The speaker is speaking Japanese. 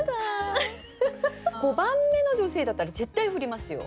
５番目の女性だったら絶対振りますよ。